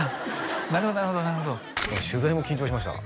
なるほどなるほどなるほど取材も緊張しました